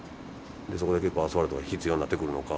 そこで結構アスファルトが必要になってくるのか。